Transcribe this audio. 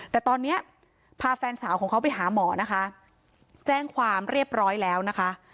แต่ตอนนี้พาแฟนสาวของเขาไปหาหมอนะคะแจ้งความเรียบร้อยแล้วนะคะ